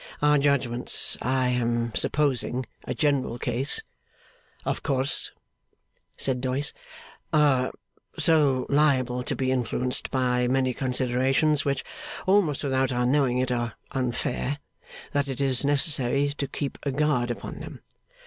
'Our judgments I am supposing a general case ' 'Of course,' said Doyce. 'Are so liable to be influenced by many considerations, which, almost without our knowing it, are unfair, that it is necessary to keep a guard upon them.